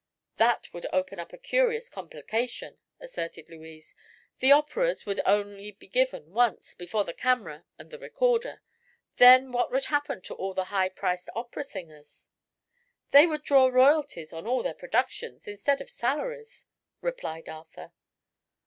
"That would open up a curious complication," asserted Louise. "The operas would only be given once, before the camera and the recorder. Then what would happen to all the high priced opera singers?" "They would draw royalties on all their productions, instead of salaries," replied Arthur.